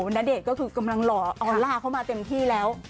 ณเดชกำลังหล่อเอาลากเขามาเต็มที่แล้ว